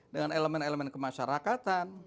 dengan elemen elemen kemasyarakatan